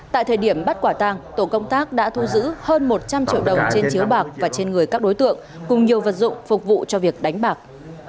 tại thời điểm bắt quả tàng tổ công tác đã thu giữ hơn một trăm linh triệu đồng trên chiếu bạc và trên người các đối tượng cùng nhiều vật dụng phục vụ cho việc đánh bạc